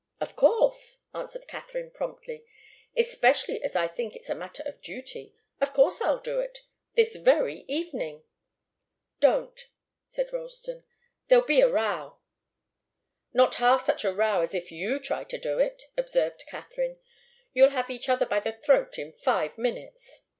"Of course!" answered Katharine, promptly. "Especially as I think it's a matter of duty. Of course I'll do it this very evening!" "Don't!" said Ralston. "There'll be a row." "Not half such a row as if you try to do it," observed Katharine. "You'll have each other by the throat in five minutes."